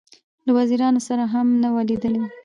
له وزیرانو سره هم نه وه لیدلې.